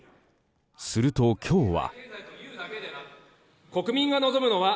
すると、今日は。